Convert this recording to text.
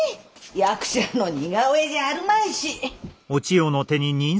役者の似顔絵じゃあるまいし。